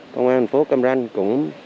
công an thành phố câm ranh cũng